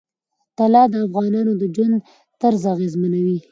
طلا د افغانانو د ژوند طرز اغېزمنوي.